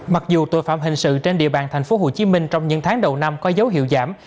mặc dù tội phạm hình sự trên địa bàn tp hcm trong những tháng đầu năm có dấu hiệu giảm